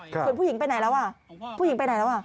ส่วนผู้หญิงไปไหนแล้วอ่ะผู้หญิงไปไหนแล้วอ่ะ